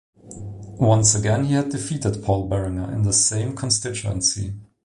Once again he had defeated Paul Berenger in the same constituency.